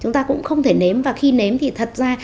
chúng ta cũng không thể nếm và khi nếm thì thật ra